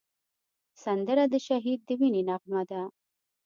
سندره د شهید د وینې نغمه ده